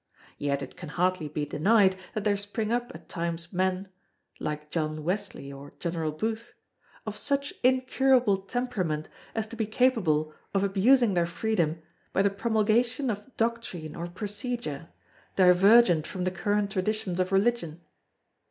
Yet it can hardly be denied that there spring up at times men—like John Wesley or General Booth—of such incurable temperament as to be capable of abusing their freedom by the promulgation of doctrine or procedure, divergent from the current traditions of religion.